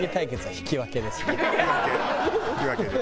引き分けです。